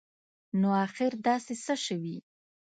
نو اخیر داسي څه شوي